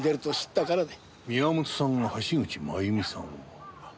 宮本さんが橋口まゆみさんを。